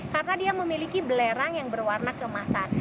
karena dia memiliki belerang yang berwarna kemasan